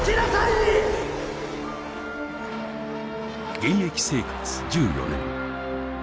現役生活１４年